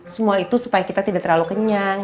semua itu supaya kita tidak terlalu kenyang